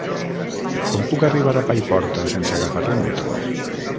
Com puc arribar a Paiporta sense agafar el metro?